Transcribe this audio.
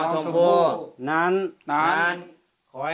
ข้าพเจ้านางสาวสุภัณฑ์หลาโภ